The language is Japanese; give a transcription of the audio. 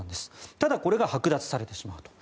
ただ、これがはく奪されてしまうと。